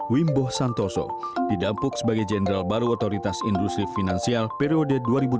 wimbo santoso didampuk sebagai jenderal baru otoritas industri finansial periode dua ribu tujuh belas dua ribu dua puluh dua